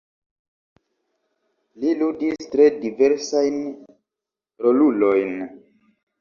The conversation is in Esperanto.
Li ludis tre diversajn rolulojn.